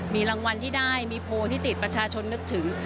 มีรางวัลที่ได้มีโพลที่ติดประชาชนนึกถึง